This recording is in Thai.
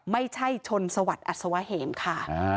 ไม่ใช่ชนสวัสดิอัศวะเหมค่ะ